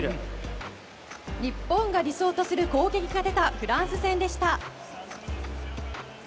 日本が理想とする攻撃が出たフランス戦でした。